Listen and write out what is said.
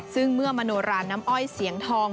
ซึ่งเมื่อมโนราน้ำอ้อยเสียงทอง